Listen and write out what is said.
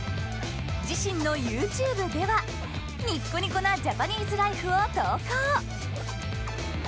自身のＹｏｕＴｕｂｅではニッコニコなジャパニーズライフを投稿。